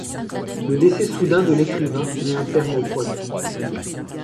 Le décès soudain de l’écrivain met un terme au projet.